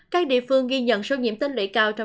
các địa phương ghi nhận số nhiễm tính lưỡi cao